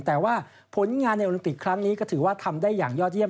แต่ว่าผลงานในโอลิมปิกครั้งนี้ก็ถือว่าทำได้อย่างยอดเยี่